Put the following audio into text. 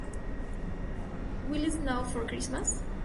Will It Snow for Christmas?